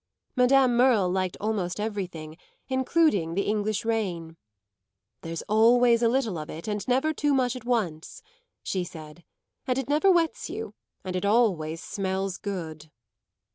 Madame Merle liked almost everything, including the English rain. "There's always a little of it and never too much at once," she said; "and it never wets you and it always smells good."